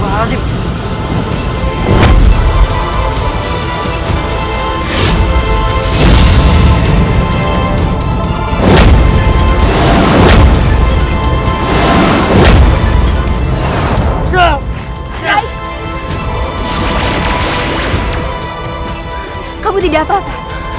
hai gono hai kamu tidak papa